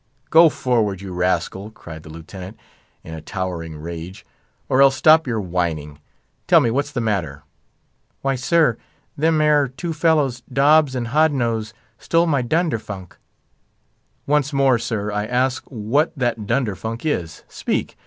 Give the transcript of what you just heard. "Go forward, you rascal!" cried the Lieutenant, in a towering rage, "or else stop your whining. Tell me, what's the matter?" "Why, sir, them 'ere two fellows, Dobs and Hodnose, stole my dunderfunk." "Once more, sir, I ask what that dundledunk is? Speak!"